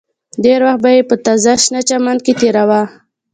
ډېر وخت به یې په تازه شنه چمن کې تېراوه